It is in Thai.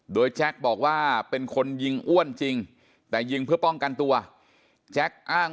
โดยแจ็คบอกว่าเป็นคนยิงอ้วนจริงแต่ยิงเพื่อป้องกันตัวแจ็คอ้าง